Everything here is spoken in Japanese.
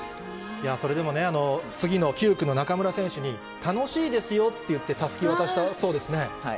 それでも次の９区の中村選手に楽しいですよって言って、たすきを渡したそうですね。